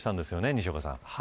西岡さん。